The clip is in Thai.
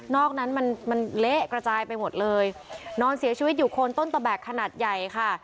อกนั้นมันมันเละกระจายไปหมดเลยนอนเสียชีวิตอยู่โคนต้นตะแบกขนาดใหญ่ค่ะ